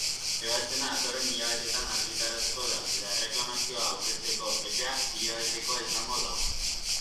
Ebazpena datorren hilabetean argitaratuko da, eta erreklamazioak aurkezteko epea hilabetekoa izango da.